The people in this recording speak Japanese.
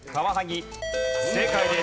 正解です。